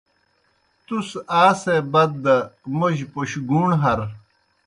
تُس آ سے بد موجیْ پَوْشگُوݨ ہَر۔